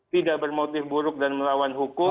tidak bermotif buruk dan melawan hukum